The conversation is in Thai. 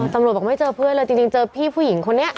ตำรวจบอกไม่เจอเพื่อนเลยจริงเจอพี่ผู้หญิงคนนี้